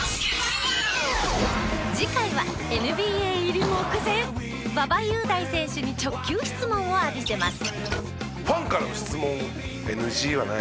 次回はＮＢＡ入り目前馬場雄大選手に直球質問を浴びせます。